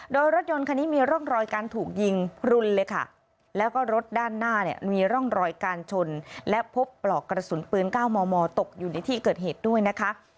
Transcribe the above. โดยรถยนต์คันนี้มีร่องรอยการถูกยิงพลุนเลยค่ะแล้วก็รถด้านหน้าเนี่ยมีร่องรอยการชนและพบปลอกกระสุนปืน๙มมตกอยู่ในที่เกิดเหตุด้วยนะคะ